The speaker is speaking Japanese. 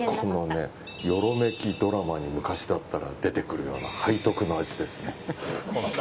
よろめきドラマに昔だったら出てくるような背徳の味ですね。